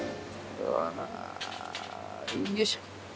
よいしょ。